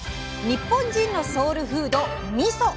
日本人のソウルフード「みそ」。